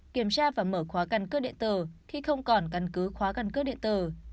kiểm tra và mở khóa cân cước điện tử khi không còn cân cứ khóa cân cước điện tử